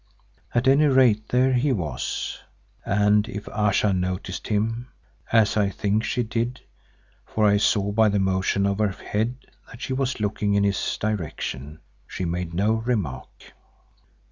At any rate there he was, and if Ayesha noticed him, as I think she did, for I saw by the motion of her head, that she was looking in his direction, she made no remark.